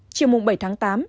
chưa mùng bảy tháng tám